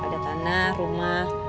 ada tanah rumah